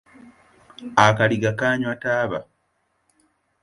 Akaliga kaanywa taba.